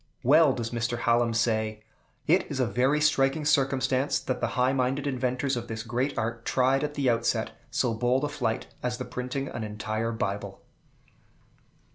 Well does Mr. Hallam say, "It is a very striking circumstance, that the high minded inventors of this great art tried at the outset so bold a flight as the printing an entire Bible."